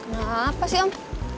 kenapa sih om